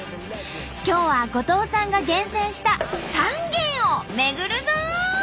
今日は後藤さんが厳選した３軒を巡るぞ！